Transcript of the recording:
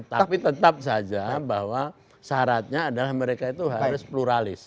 tapi tetap saja bahwa syaratnya adalah mereka itu harus pluralis